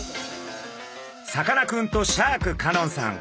さかなクンとシャーク香音さん